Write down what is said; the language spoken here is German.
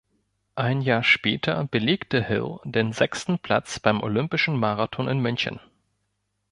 Ein Jahr später belegte Hill den sechsten Platz beim Olympischen Marathon in München.